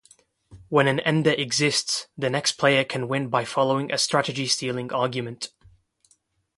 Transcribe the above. When an ender exists, the next player can win by following a strategy-stealing argument.